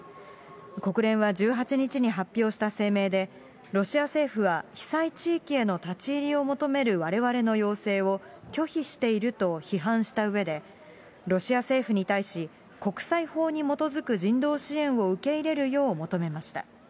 国連は１８日に発表した声明で、ロシア政府は、被災地域への立ち入りを求めるわれわれの要請を拒否していると批判したうえで、ロシア政府に対し、国際法に基づく人道支援を受け入れるよう求めました。